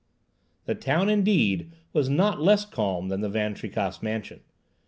The town, indeed, was not less calm than the Van Tricasse mansion.